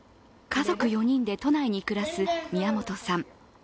家族４人で都内に暮らす宮本さん。